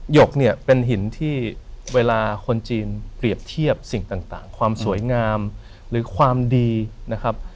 ยกเนี่ยเป็นหินที่เวลาคนจีนเปรียบเทียบสิ่งต่างความสวยงามหรือความดีนะครับ